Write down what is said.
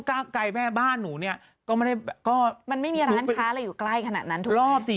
ก้าวไกลแม่บ้านหนูเนี่ยก็ไม่ได้ก็มันไม่มีร้านค้าอะไรอยู่ใกล้ขนาดนั้นทุกรอบสิ